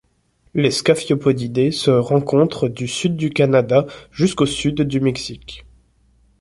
Les Scaphiopodidae se rencontrent du Sud du Canada jusqu'au Sud du Mexique.